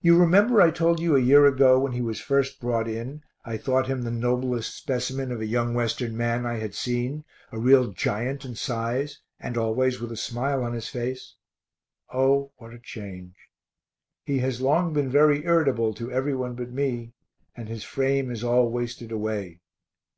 You remember I told you a year ago, when he was first brought in, I thought him the noblest specimen of a young Western man I had seen, a real giant in size, and always with a smile on his face. O what a change. He has long been very irritable to every one but me, and his frame is all wasted away.